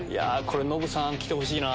ノブさん来てほしいな。